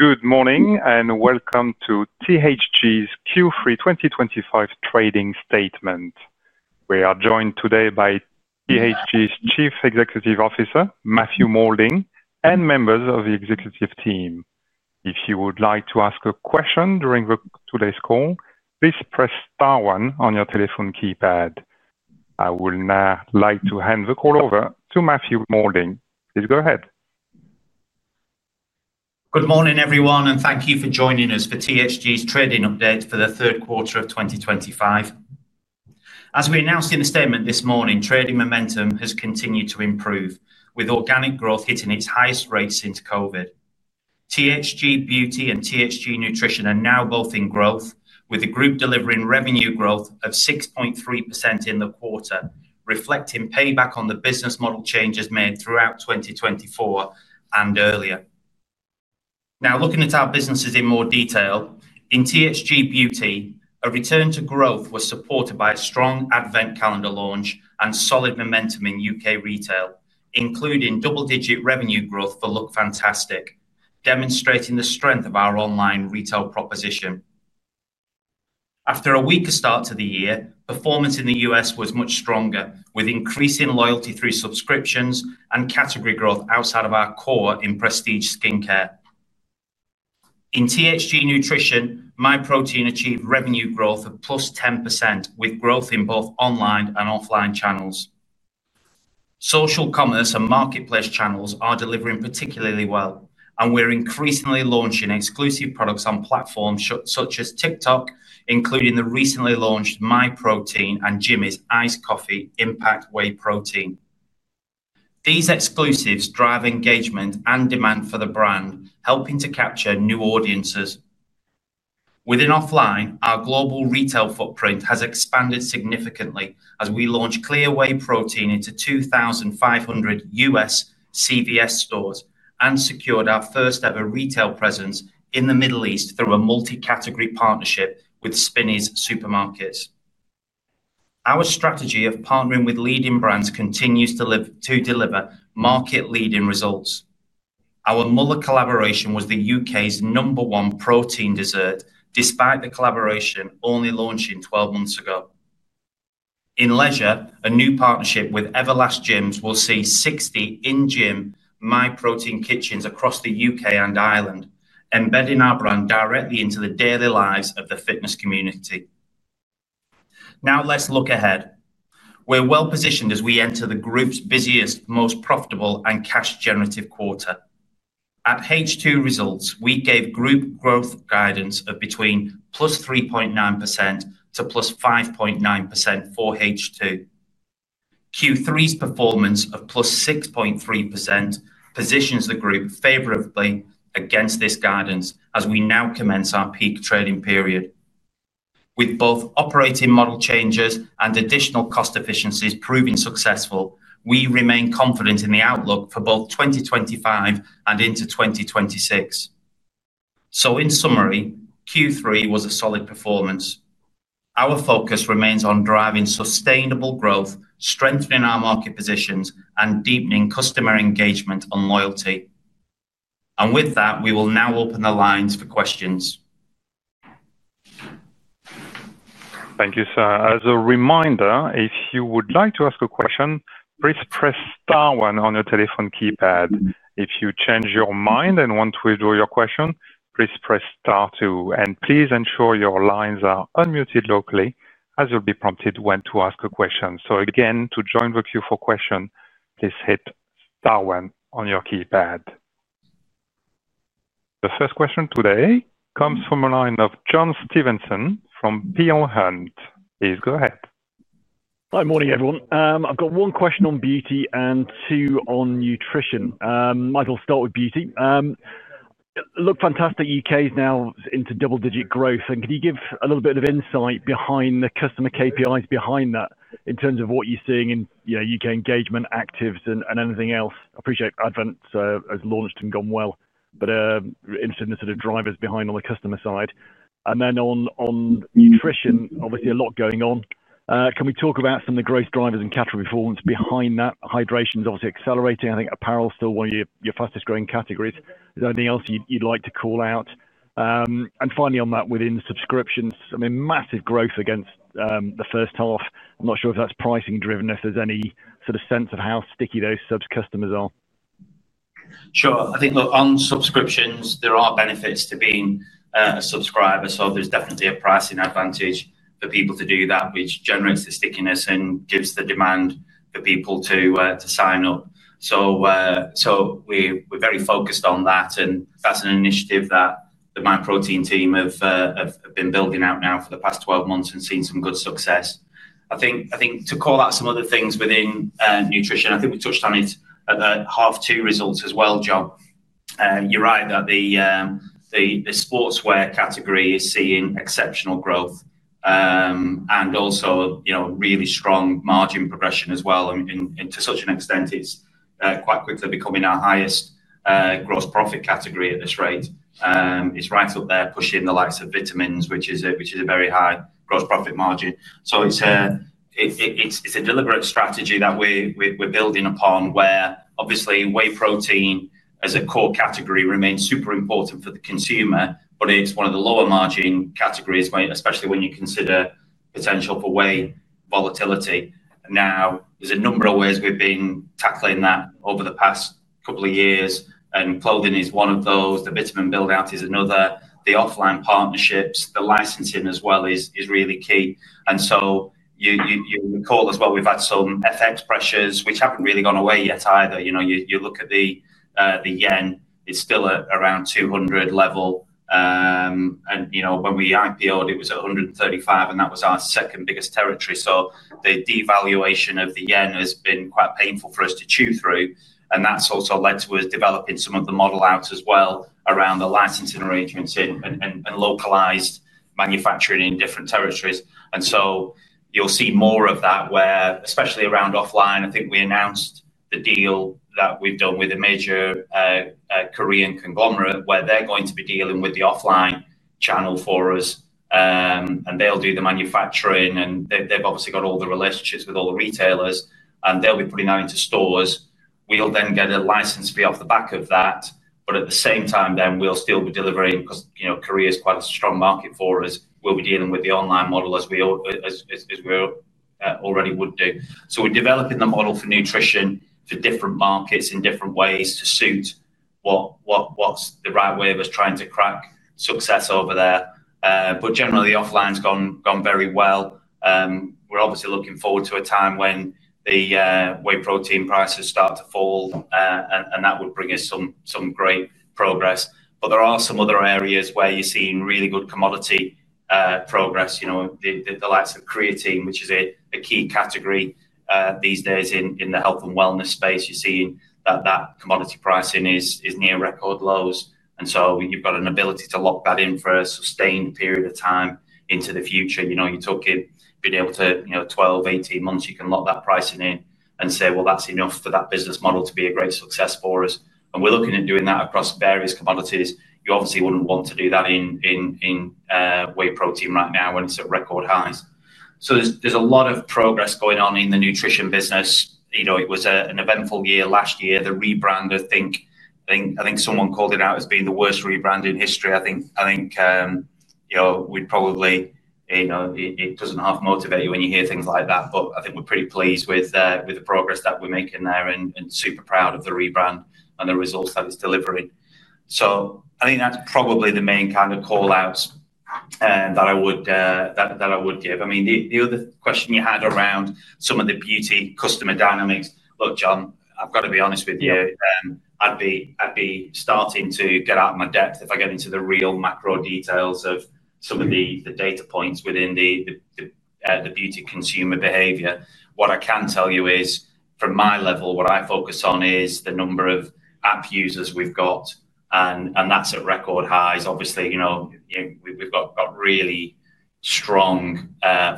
Good morning and welcome to THG's Q3 2025 trading statement. We are joined today by THG's Chief Executive Officer Matthew Moulding and members of the Executive Team. If you would like to ask a question during today's call, please press star 1 on your telephone keypad. I would now like to hand the call over to Matthew Moulding. Please go ahead. Good morning everyone, and thank you for joining us for THG's trading update. The third quarter of 2025. As we announced in a statement this morning, trading momentum has continued to improve, with organic growth hitting its highest rate since COVID. THG Beauty and THG Nutrition are now both in growth, with the group delivering revenue growth of 6.3% in the quarter, reflecting payback on the business. Model changes made throughout 2024 and earlier. Now looking at our businesses in more detail. In THG Beauty, a return to growth was supported by a strong advent calendar launch and solid momentum in UK retail, including double-digit revenue growth for Lookfantastic, demonstrating the strength of our online retail proposition after a weaker start to the year. Performance in the U.S. was much stronger, with increasing loyalty through subscriptions and category growth outside of our core in Prestige Skincare. In THG Nutrition, Myprotein achieved revenue growth of +10% with growth in both online and offline channels. Social commerce and marketplace channels are delivering particularly well, and we're increasingly launching exclusive products on platforms such as TikTok, including the recently launched Myprotein and Jimmy's Iced Coffee Impact Whey Protein. These exclusives drive engagement and demand for the brand, helping to capture new audiences within offline. Our global retail footprint has expanded significantly as we launched Clear Whey Protein into 2,500 U.S. CVS stores and secured our first ever retail presence in the Middle East through a multi-category partnership with Spinneys Supermarkets. Our strategy of partnering with leading brands continues to deliver market-leading results. Our Müller collaboration was the UK's number one protein dessert, despite the collaboration only launching 12 months ago. In Leisure, a new partnership with Everlast Gyms will see 60 in-gym Myprotein kitchens across the UK and Ireland, embedding our brand directly into the daily. Lives of the fitness community. Now let's look ahead. We're well positioned as we enter the group's busiest, most profitable, and cash generative quarter at H2. Results we gave group growth guidance of between 3.9% to 5.9% for H2. Q3's performance of 6.3% positions the group favorably against this guidance as we now commence our peak trading period. With both operating model changes and additional cost efficiencies proving successful, we remain confident. In the outlook for both 2025 and into 2026. In summary, Q3 was a solid performance. Our focus remains on driving sustainable growth, strengthening our market positions, and deepening customer engagement and loyalty. We will now open the lines for questions. Thank you, sir. As a reminder, if you would like to ask a question, please press Star one on your telephone keypad. If you change your mind and want to withdraw your question, please press Star two. Please ensure your lines are unmuted locally as you'll be prompted when to ask a question. To join the queue for a question, please hit Star one on your keypad. The first question today comes from the line of John Stevenson from Peel Hunt. Please go ahead. Hi. Morning everyone. I've got one question on beauty and two on nutrition. Michael, start with beauty. Lookfantastic UK is now into double-digit growth and can you give a little bit of insight behind the customer KPIs behind that in terms of what you're seeing in UK engagement, actives, and anything else. Appreciate Advent has launched and gone well, but interested in the sort of drivers behind on the customer side. Then on nutrition, obviously a lot going on. Can we talk about some of the growth drivers and category performance behind that? Hydration is obviously accelerating. I think apparel is still one of your fastest growing categories. Anything else you'd like to call out? Finally, on that within subscriptions, I mean massive growth against the first half. I'm not sure if that's pricing driven, if there's any sort of sense of how sticky those subs customers are. Sure. I think on subscriptions, there are benefits. To being a subscriber, there's definitely a pricing advantage for people to do that, which generates the stickiness and gives the demand for people to sign up. We're very focused on that, and that's an initiative that Myprotein team have been building out now for the past 12 months and seen some good success. I think to call out some other things within nutrition, I think we touched on it at. Half two results as well. John, you're right that the sportswear category is seeing exceptional growth and also really strong margin progression as well. To such an extent, it's quite quickly becoming our highest gross profit category. At this rate, it's right up there pushing the likes of vitamins, which is a very high gross profit margin. It's a deliberate strategy that we're building upon where obviously Whey protein as a core category remains super important for the consumer, but it's one of the lower margin categories, especially when you consider potential for whey volatility. There are a number of ways we've been tackling that over the past couple of years, and clothing is one of those. The bitumen build out is another. The offline partnerships, the licensing as well, is really key. You recall as well, we've had some FX pressures which haven't really gone away yet either. You look at the yen, it's still around 200 level, and when we IPO'd, it was 135, and that was our second biggest territory. The devaluation of the yen has been quite painful for us to chew through. That's also led to us developing some of the model out as well around the licensing arrangements and localized manufacturing in different territories. You'll see more of that, especially around offline. I think we announced the deal that we've done with a major Korean conglomerate where they're going to be dealing with the offline channel for us and they'll do the manufacturing and they've obviously got all the relationships with all the retailers and they'll be putting that into stores. We'll then get a license fee off the back of that. At the same time, we'll still be delivering because, you know, Korea is quite a strong market for us. We'll be dealing with the online model as we already would do. We're developing the model for nutrition for different markets in different ways to suit what the right way of us trying to crack success over there. Generally, the offline's gone very well. We're obviously looking forward to a time when the whey protein prices start to fall, and that would bring us some great progress. There are some other areas where you're seeing really good commodity progress, the likes of creatine, which is a key category these days in the health and wellness space. You're seeing that commodity pricing is near record lows, and you've got an ability to lock that in for a sustained period of time into the future. You know, you took it being able to, you know, 12, 18 months, you can lock that pricing in and say, that's enough for that business model to be a great success for us. We're looking at doing that across various commodities. You obviously wouldn't want to do that in whey protein right now when it's at record highs. There's a lot of progress going on in the nutrition business. It was an eventful year last year. The rebrand, I think someone called it out as being the worst rebrand in history. It doesn't half motivate you when you hear things like that, but I think we're pretty pleased with the progress that we're making there and super proud of the rebrand and the results that it's delivering. I think that's probably the main kind of call outs that I would give. The other question you had around some of the beauty customer dynamics. Look John, I've got to be honest with you, I'd be starting to get out of my depth if I get into the real macro details of some of the data points within the beauty consumer behavior. What I can tell you is from my level, what I focus on is the number of app users we've got and that's at record highs. Obviously we've got really strong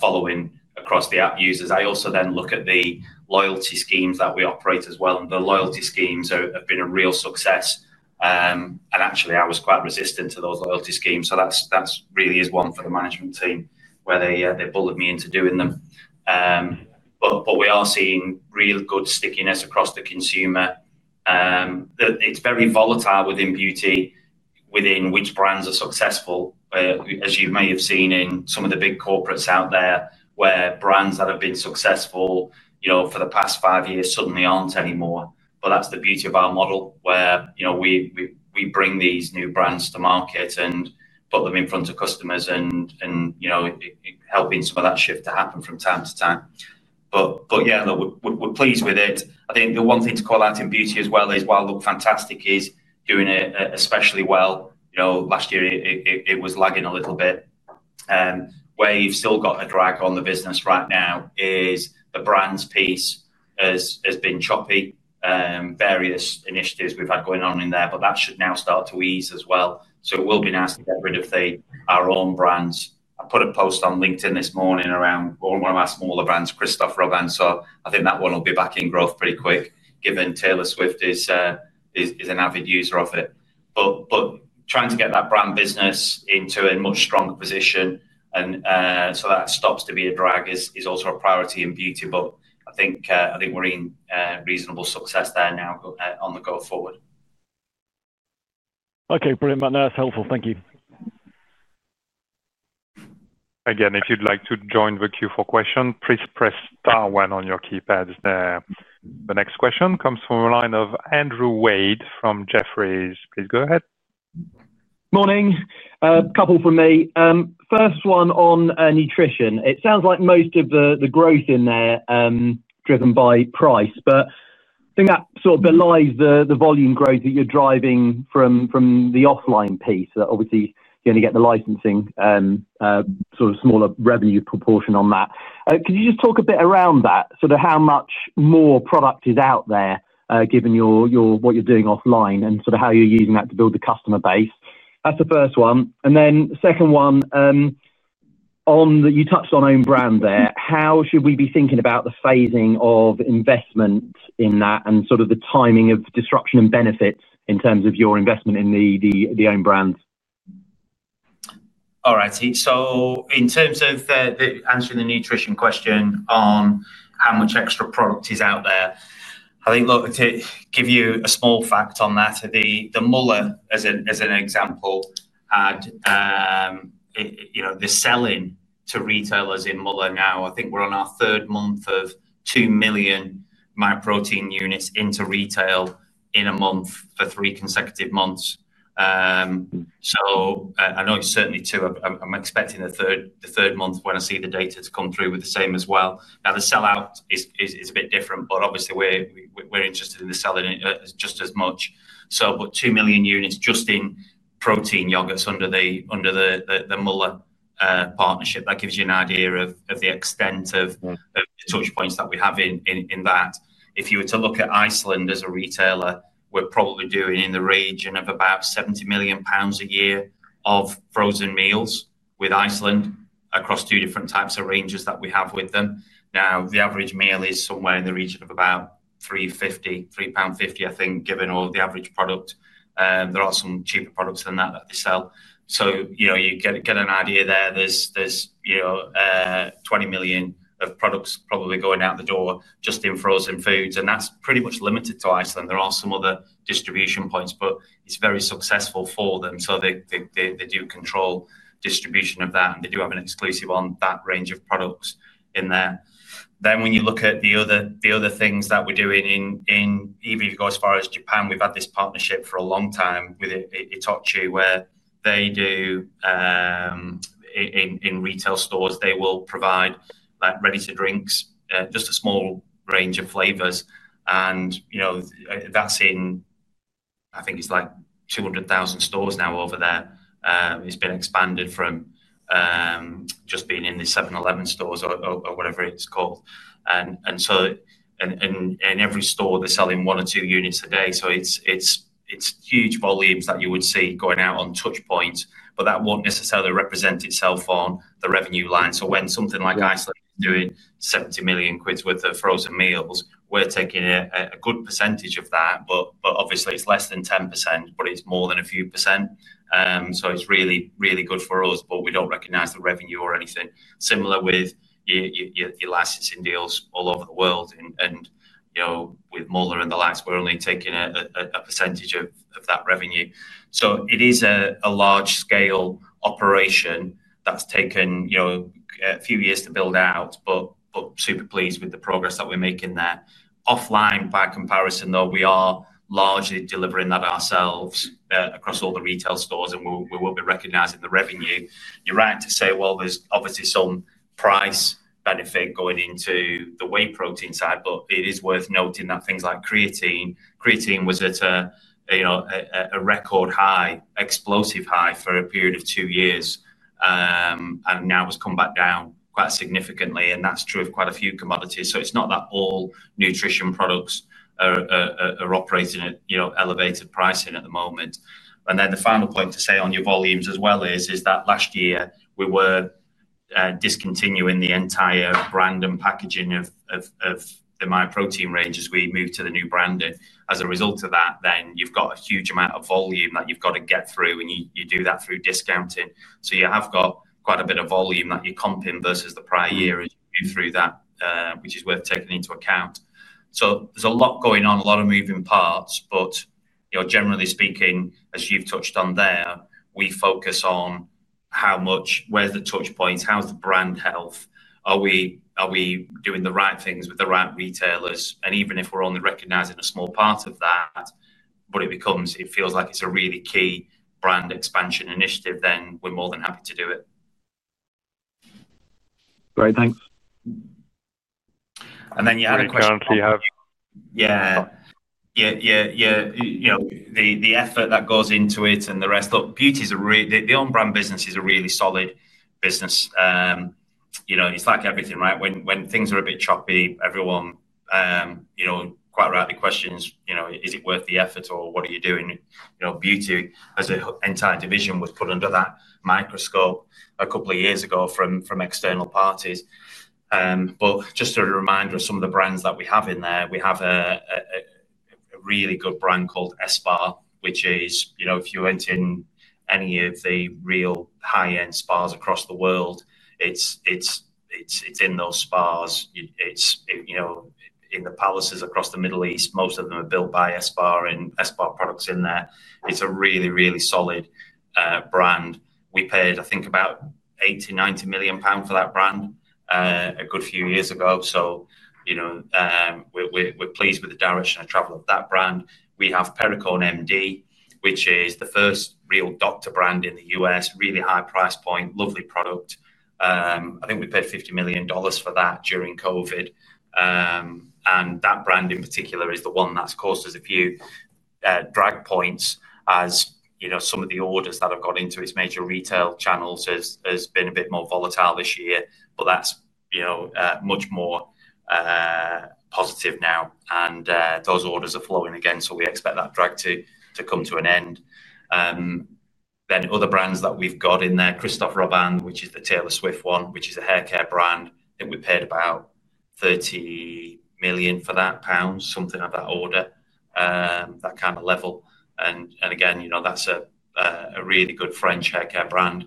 following across the app users. I also then look at the loyalty schemes that we operate as well and the loyalty schemes have been a real success and actually I was quite resistant to those loyalty schemes so that really is one for the management team where they bullied me into doing them. We are seeing real good stickiness across the consumer. It's very volatile within beauty, within which brands are successful. As you may have seen in some of the big corporates out there, where brands that have been successful for the past five years suddenly aren't anymore. That's the beauty of our model where we bring these new brands to market and put them in front of customers, helping some of that shift to happen from time to time. We're pleased with it. I think the one thing to call out in beauty as well is while Lookfantastic is doing it especially well. Last year it was lagging a little bit. Where you've still got a drag on the business right now is the brands piece has been choppy. Various initiatives we've had going on in there but that should now start to ease as well. It will be nice to get rid of our own brands. I put a post on LinkedIn this morning around one of our smaller brands, Christophe Robin. I think that one will be back in growth pretty quick given Taylor Swift is an avid user of it. Trying to get that brand business into a much stronger position so that stops to be a drag is also a priority in beauty. I think we're in reasonable success there now on the go forward. Okay, brilliant, Matt, that's helpful. Thank you again. If you'd like to join the queue for questions, please press Star one on your keypads. The next question comes from the line of Andrew Wade from Jefferies. Please go ahead. Morning. A couple from me. First one on nutrition. It sounds like most of the growth in there driven by price, but I think that sort of belies the volume growth that you're driving from the offline piece. Obviously, you only get the licensing sort of smaller revenue proportion on that. Could you just talk a bit around that, sort of how much more product is out there, given what you're doing offline and sort of how you're using that to build the customer base. That's the first one. Then second one, you touched on own brand there. How should we be thinking about the phasing of investment in that and sort of the timing of disruption and benefits in terms of your investment in the own brand? All right, in terms of answering the nutrition question on how much extra. Product is out there. How much, I— Think, look, to give you a small fact on that, the Müller as an example had the selling to retailers in Müller. Now I think we're on our third. Month of 2 million Myprotein units. Into retail in a month for three consecutive months. I know it's certainly two. I'm expecting the third month when I see the data to come through with the same as well. The sellout is a bit different, but obviously we're interested in the selling just as much. were 2 million units just in protein. Yogurts under the Müller partnership. That gives you an idea of the extent of the touch points that we have in that. If you were to look at Iceland as a retailer, we're probably doing in the region of about £70 million a year of frozen meals with Iceland across two different types of ranges that we have with them. Now the average meal is somewhere in the region of about £3.50. I think given all the average product, there are some cheaper products than that they sell. You get an idea there. There's, you know, £20 million of products probably going out the door just in frozen foods and that's pretty much limited to Iceland. There are some other distribution points, but it's very successful for them. They do control distribution of that and they do have an exclusive on that range of products in there. When you look at the other things that we're doing in EV go. As far as Japan, we've had this partnership for a long time with Itochi where they do in retail stores they will provide ready to drinks, just a small range of flavors and that's in, I think it's like 200,000 stores now over there. It's been expanded from just being in the 7-11 stores or whatever it's called. In every store they're selling one or two units a day. It's huge volumes that you would see going out on touchpoint but that won't necessarily represent itself on the revenue line. When something like Iceland is doing £70 million worth of frozen meals, we're taking a good percentage of that but obviously it's less than 10% but it's more than a few %. It's really, really good for us. We don't recognize the revenue or anything similar with your licensing deals all over the world and with Müller and the likes, we're only taking a percentage of that revenue. It is a large scale operation that's taken a few years to build out. Super pleased with the progress that we're making there. Offline by comparison though, we are largely delivering that ourselves across all the retail stores and we will be recognizing the revenue. You're right to say there's obviously some price benefit going into the whey protein side, but it is worth noting that things like creatine. Creatine was at a record high, explosive high for a period of two years and now has come back down quite significantly. That's true of quite a few commodities. It's not that all nutrition products are operating at elevated pricing at the moment. The final point to say on your volumes as well is that last year we were discontinuing the entire brand and packaging of the Myprotein range as we moved to the new branding. As a result of that, you've got a huge amount of volume that you've got to get through, and you do that through discounting. You have quite a bit of volume that you're comping versus the prior year as you go through that, which is worth taking into account. There's a lot going on, a lot of moving parts. Generally speaking, as you've touched on there, we focus on how much, where's the touch point, how's the brand health, are we doing the right things with the right retailers, and even if we're only recognizing a small part of that, it feels like it's a really key brand expansion initiative, then we're more than happy to do it. Great, thanks. You had a question. You have? You know, the effort that goes into it and the rest. Look, beauty is a really, the on-brand business is a really solid business. You know, it's like everything, right, when things are a bit choppy, everyone quite rightly questions, you know, is it worth the effort or what are you doing? You know, beauty as an entire division was put under that microscope a couple of years ago from external parties. Just a reminder of some of the brands that we have in there. We have a really good brand called ESPA, which is if you went in any of the real high-end spas across the world, it's in those spas in the palaces across the Middle East. Most of them are built by ESPA and ESPA products in there. It's a really, really solid brand. We paid, I think, about £80 million, £90 million for that brand a good few years ago. You know, we're pleased with the direction and travel of that brand. We have Perricone MD, which is the first real doctor brand in the U.S. Really high price point, lovely product. I think we paid $50 million for that during COVID, and that brand in particular is the one that's caused us a few drag points. As you know, some of the orders that have gone into its major retail channels have been a bit more volatile this year, but that's much more positive now and those orders are flowing again. We expect that drag to come to an end. Other brands that we've got in there, Christophe Robin, which is the Taylor Swift one, which is a hair care brand that we paid about £30 million for, something of that order, that kind of level. Again, you know, that's a really good French hair care brand,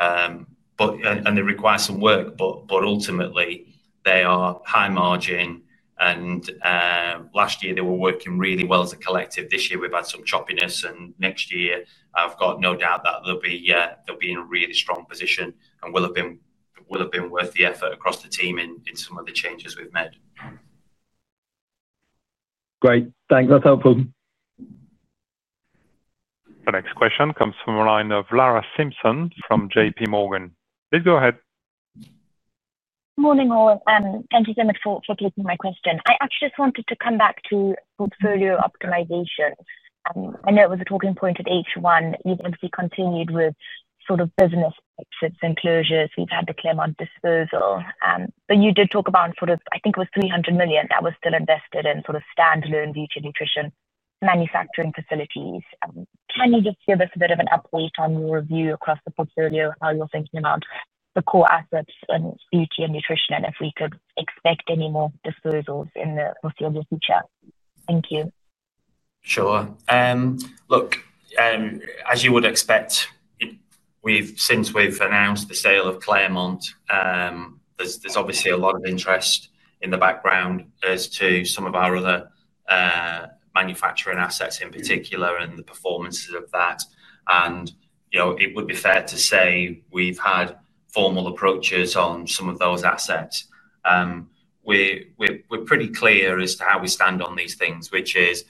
and they require some work, but ultimately they are high margin and last year they were working really well as a collective. This year we've had some choppiness and next year I've got no doubt that they'll be in a really strong position and will have been worth the effort across the team in some of the changes we've made. Great, thanks, that's helpful. The next question comes from the line of Lara Simpson from JP Morgan. Please go ahead. Morning all. Thank you so much for taking my question. I actually just wanted to come back to portfolio optimization. I know it was a talking point at H1C, continued with sort of business and closures. We've had the Claremont disposal, but you did talk about sort of, I think it was $300 million that was still invested in sort of standalone beauty, nutrition, manufacturing facilities. Can you just give us a bit of an update on your review across the portfolio, how you're thinking about the core assets in beauty and nutrition, and if we could expect any more disposals in the foreseeable future. Thank you. Sure. Look, as you would expect, since we've announced the sale of Claremont, there's obviously a lot of interest in the background as to some of our other manufacturing assets in particular and the performances of that. It would be fair to say we've had formal approaches on some of those assets. We're pretty clear as to how we stand on these things, which is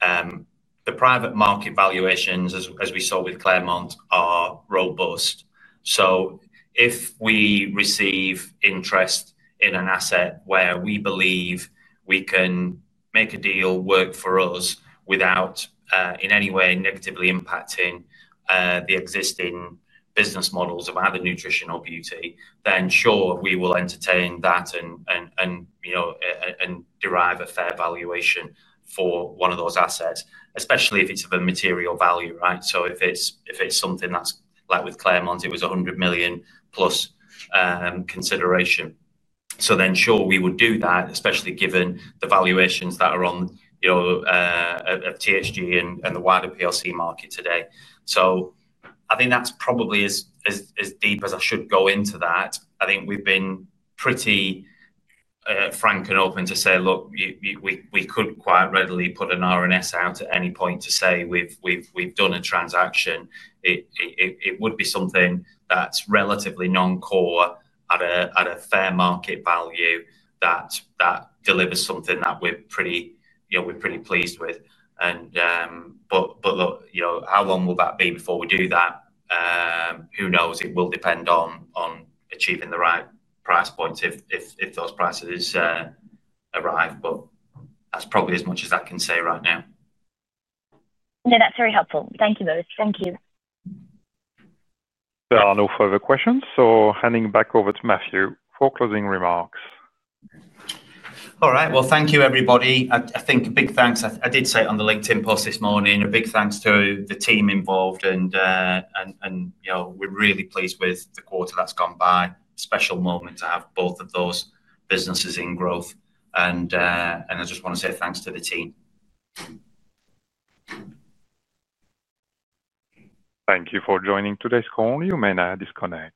the private market valuations, as we saw with Claremont, are robust. If we receive interest in an asset where we believe we can make a deal work for us without in any way negatively impacting the existing business models of either nutrition or beauty, then sure, we will entertain that and know and derive a fair valuation for one of those assets, especially if it's of a material value. If it's something that's like with Claremont, it was £100 million plus consideration, then sure, we would do that, especially given the valuations that are on, you know, of THG and the wider PLC market today. I think that's probably as deep as I should go into that. I think we've been pretty frank and open to say, look, we could quite readily put an RNS out at any point to say we've done a transaction. It would be something that's relatively non-core at a fair market value that delivers something that we're pretty pleased with. How long will that be before we do that? Who knows? It will depend on achieving the right price points, if those prices arrive. That's probably as much as I can say right now. No, that's very helpful. Thank you both. Thank you. There are no further questions. Handing back over to Matthew for closing remarks. All right, thank you, everybody. I think a big thanks. I did say on the LinkedIn post. This morning, a big thanks to the team involved, and we're really pleased with the quarter that's gone by. Special moment to have both of those businesses in growth. I just want to say thanks to the team. Thank you for joining today's call. You may now disconnect.